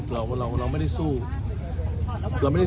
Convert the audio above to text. เรามันไม่ได้สู้ไกลเหลื่อสินกัน